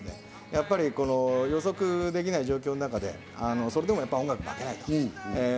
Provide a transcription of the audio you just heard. やっぱり予測できない状況の中で、音楽は負けないと。